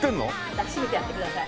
抱きしめてやってください。